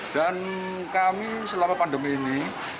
dan kami selama pandemi ini